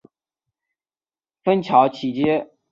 芬乔奇街。